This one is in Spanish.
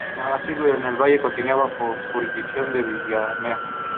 Así pues, el valle continúa bajo jurisdicción de Villena.